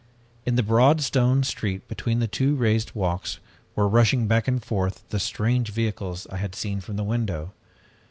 "In the broad stone street between the two raised walks were rushing back and forth the strange vehicles I had seen from the window.